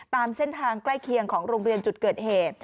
ตามเส้นทางใกล้เคียงของโรงเรียนจุดเกิดเหตุ